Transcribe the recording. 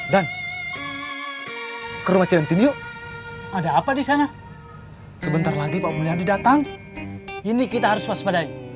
dan ke rumah ciantin yuk ada apa di sana sebentar lagi pak pemulihan didatang ini kita harus waspadai